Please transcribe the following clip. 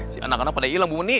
si anak anak pada hilang bu meni